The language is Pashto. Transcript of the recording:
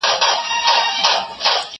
د ورځي یوازي سل سل جملې همکاري وکړي